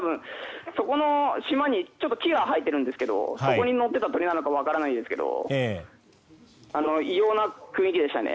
そこの島にちょっと木が生えているんですけどそこに乗っていた鳥なのかは分からないですけど異様な雰囲気でしたね。